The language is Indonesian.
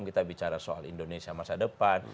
kita bicara soal indonesia masa depan